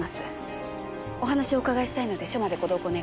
お話をお伺いしたいので署までご同行願えますか？